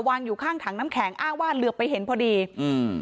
อยู่ข้างถังน้ำแข็งอ้างว่าเหลือไปเห็นพอดีอืม